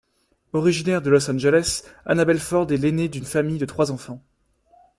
Originaire de Los Angeles, Anabel Ford est l'aînée d'une famille de trois enfants.